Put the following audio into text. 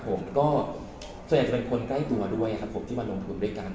ตรงใหญ่จะมีคนใกล้ตัวที่มาลงทุนด้วยกัน